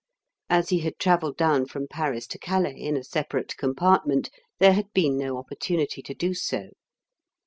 As he had travelled down from Paris to Calais in a separate compartment there had been no opportunity to do so.